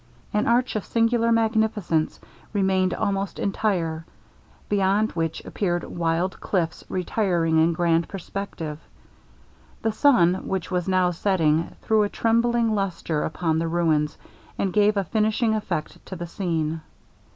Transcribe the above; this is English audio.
An arch of singular magnificence remained almost entire, beyond which appeared wild cliffs retiring in grand perspective. The sun, which was now setting, threw a trembling lustre upon the ruins, and gave a finishing effect to the scene.